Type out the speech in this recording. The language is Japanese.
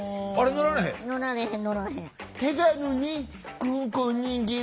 乗られへん乗られへん。